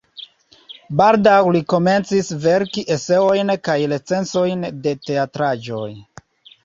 Baldaŭ li komencis verki eseojn kaj recenzojn de teatraĵoj.